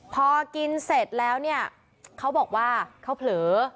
พอกินเสร็จแล้วเนี่ยเขาบอกว่าเขาเผลอ